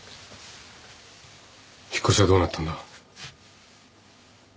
引っ越しはどうなったんだ？